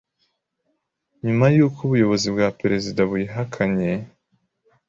Nyuma y’uko ubuyobozi bwa Perezida buyihakanye